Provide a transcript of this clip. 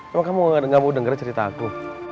emang kamu nggak mau denger cerita aku